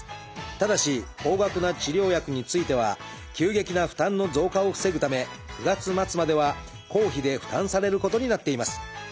ただし高額な治療薬については急激な負担の増加を防ぐため９月末までは公費で負担されることになっています。